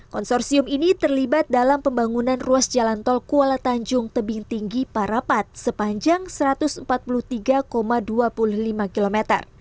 konsorsium ini terlibat dalam pembangunan ruas jalan tol kuala tanjung tebing tinggi parapat sepanjang satu ratus empat puluh tiga dua puluh lima km